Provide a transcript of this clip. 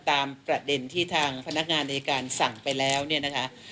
ตามประเด็นที่ทางพนักงานในการสั่งไปแล้วเนี่ยนะคะ